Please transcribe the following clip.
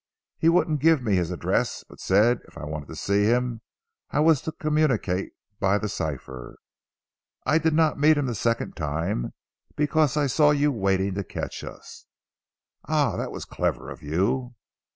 He wouldn't give me his address, but said if I wanted to see him I was to communicate by the cipher. I did not meet him the second time, because I saw you waiting to catch us." "Ah! That was clever of you."